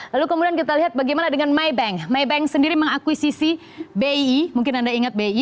lalu kemudian kita lihat bagaimana dengan mybank mybank sendiri mengakuisisi bii mungkin anda ingat bi